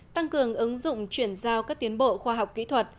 tăng cường ứng dụng chuyển giao các tiến bộ khoa học kỹ thuật